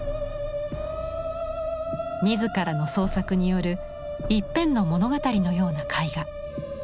自らの創作による一編の物語のような絵画。